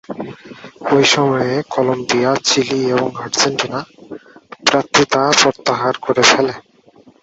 ঐ সময়ে Colombia, Chile এবং আর্জেন্টিনা প্রার্থীতা প্রত্যাহার করে ফেলে।